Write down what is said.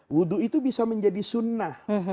wudhu itu bisa menjadi sunnah